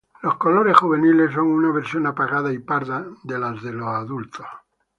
Los colores juveniles son una versión apagada y parda de los del adulto.